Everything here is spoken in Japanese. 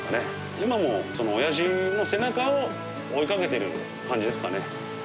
今もおやじの背中を追いかけてる感じですかね。